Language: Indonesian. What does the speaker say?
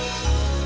emang yan tante